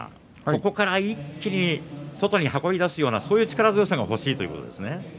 ここから一気に外に運び出すようなそういう力強さが欲しいということですね。